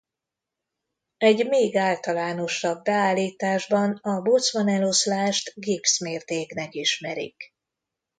Egy még általánosabb beállításban a Boltzmann-eloszlást Gibbs-mértéknek ismerik.